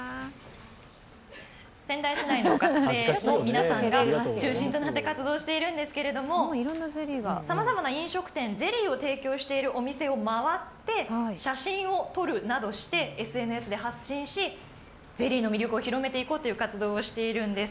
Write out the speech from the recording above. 仙台市内の学生の皆さんが中心となって活動しているんですけれどもさまざまな飲食店、ゼリーを提供しているお店を回って写真を撮るなどしてＳＮＳで発信しゼリーの魅力を広めていこうという活動をしているんです。